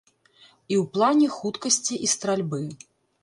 І ў плане хуткасці і стральбы.